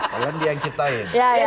malah dia yang ciptain